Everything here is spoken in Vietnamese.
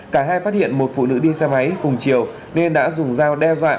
cả hai phát hiện một phụ nữ đi xe máy cùng chiều nên đã dùng dao đe dọa